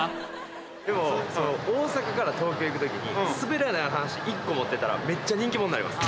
でも、大阪から東京に行くときにすべらない話、１個持ってったら、めっちゃ人気者になります。